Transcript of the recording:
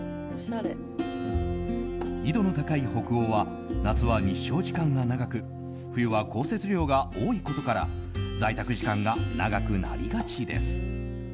緯度の高い北欧は夏は日照時間が長く冬は降雪量が多いことから在宅時間が長くなりがちです。